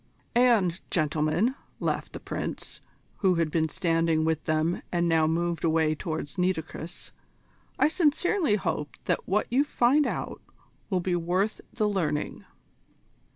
"And, gentlemen," laughed the Prince, who had been standing with them and now moved away towards Nitocris, "I sincerely hope that what you find out will be worth the learning."